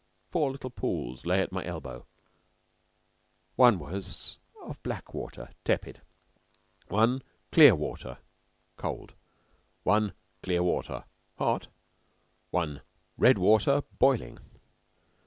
Four little pools lay at my elbow, one was of black water (tepid), one clear water (cold), one clear water (hot), one red water (boiling).